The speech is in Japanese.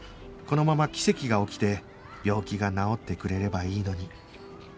このまま奇跡が起きて病気が治ってくれればいいのに